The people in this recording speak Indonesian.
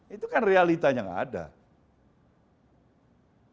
itu kan realitanya nggak ada